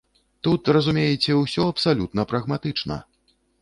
Тут, разумееце, усё абсалютна прагматычна.